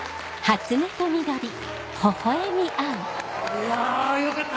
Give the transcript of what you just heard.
いやよかった！